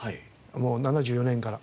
もう７４年から。